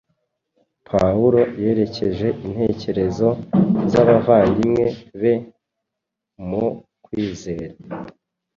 Pawulo yerekeje intekerezo z’abavandimwe be mu kwizera